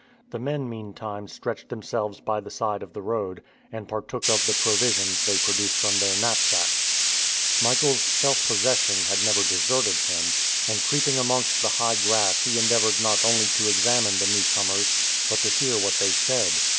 The men meantime stretched themselves by the side of the road, and partook of the provisions they produced from their knapsacks. Michael's self possession had never deserted him, and creeping amongst the high grass he endeavored not only to examine the new comers, but to hear what they said.